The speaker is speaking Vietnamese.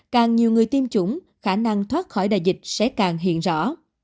càng nhiều người tiêm chủng khả năng thoát khỏi đại dịch sẽ càng hiện rõ